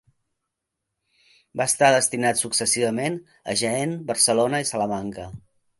Va estar destinat successivament a Jaén, Barcelona i Salamanca.